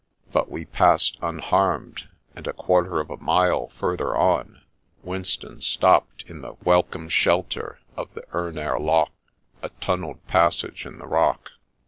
But we passed unharmed, and a quarter of a mile further on Winston stopped in the welcome shelter of the Urner Loch, a tunnelled passage in the rock.